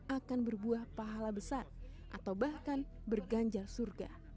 akan berbuah pahala besar atau bahkan berganjal surga